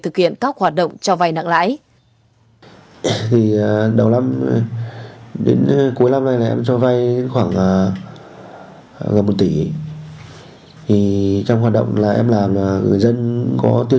thực hiện các hoạt động cho vay nặng lãi